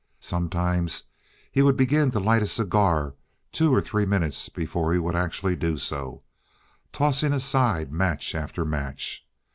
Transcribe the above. Sometimes he would begin to light a cigar two or three minutes before he would actually do so, tossing aside match after match.